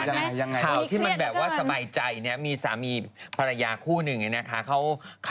ข่าวที่มันแบบว่าสบายใจเนี่ยมีสามีภรรยาคู่หนึ่งเนี่ยนะคะ